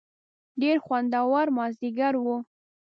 ډېر خوندور مازیګر و.